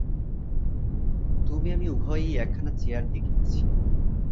তুমি আমি উভয়েই একখানা চেয়ার দেখিতেছি।